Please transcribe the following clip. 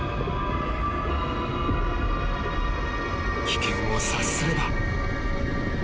［危険を察すれば］